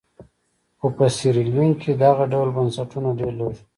خو په سیریلیون کې دغه ډول بنسټونه ډېر لږ وو.